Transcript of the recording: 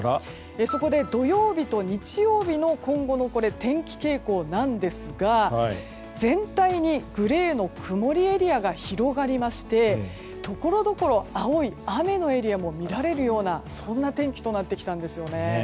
そこで土曜日と日曜日の今後の天気傾向なんですが全体にグレーの曇りエリアが広がりましてところどころ、青い雨のエリアもみられるようなそんな天気となってきたんですよね。